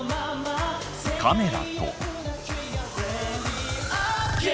カメラと。